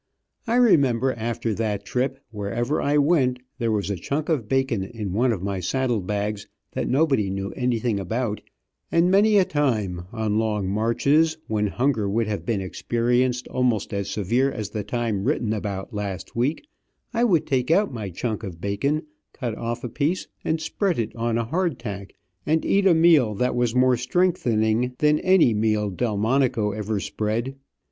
I remember after that trip, wherever I went, there was a chunk of bacon in one of my saddle bags that nobody knew anything about, and many a time, on long marches, when hunger would have been experienced almost as severe as the time written about last week, I would take out my chunk of bacon, cut off a piece and spread it on a hard tack, and eat a meal that was more strengthening than any meal Delmonico ever spread.